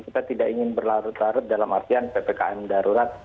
kita tidak ingin berlarut larut dalam artian ppkm darurat